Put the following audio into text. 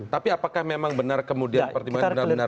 tapi apakah memang benar kemudian pertimbangan benar benar